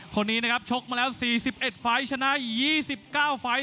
คนนี้นะครับชกมาแล้ว๔๑ไฟล์ชนะ๒๙ไฟล์